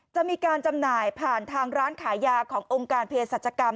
จำหน่ายผ่านทางร้านขายยาขององค์การเพศรัชกรรม